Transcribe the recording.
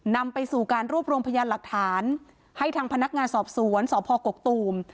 นำไปสู่การรวบรวมพยานหลักฐานให้ทางพนักงานสอบสวนสพกกตูม